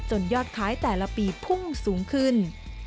ยอดขายแต่ละปีพุ่งสูงขึ้น